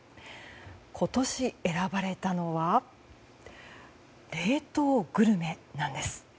今年選ばれたのは冷凍グルメなんです。